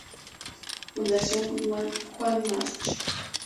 Fundación Juan March.